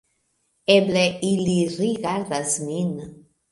Eble ili rigardas min.